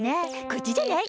「こっちじゃない？」